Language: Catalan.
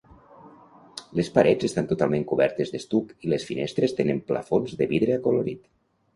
Les parets estan totalment cobertes d'estuc, i les finestres tenen plafons de vidre acolorit.